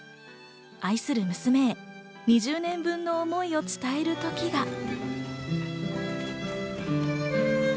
愛する娘へ２０年分の思いを伝える時が。